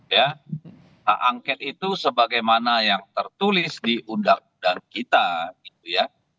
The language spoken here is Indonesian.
ya hak angket itu sebagaimana yang tertulis di undang undang kita gitu ya